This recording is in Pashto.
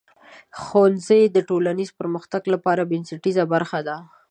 ښوونځی د ټولنیز پرمختګ لپاره بنسټیزه برخه ده.